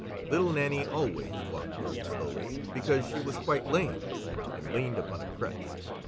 Little Nannie always walked very slowly, because she was quite lame, and leaned upon a crutch.